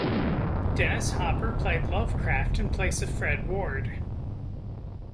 Dennis Hopper played Lovecraft in place of Fred Ward.